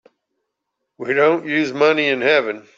We don't use money in heaven.